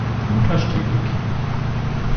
Die Mutter stillt ihr Kind.